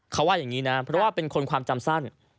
เขาว่าอย่างนี้นะเพราะว่าเป็นคนความจำสั้น